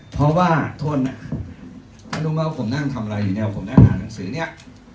เพราะว่าถ้ารู้มะดูแต่ผมทำอะไรอยู่เนี้ยผมนั่งอ่านหนังสือเนี่ย